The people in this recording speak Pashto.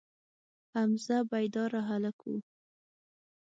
حمزه بیداره هلک و.